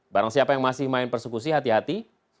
barangsiapa yang masih main persekusi hati hati